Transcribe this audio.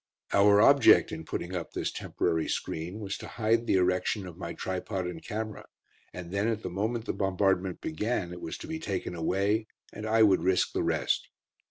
Our object in putting up this temporary screen was to hide the erection of my tripod and camera, and then at the moment the bombardment began it was to be taken away, and I would risk the rest.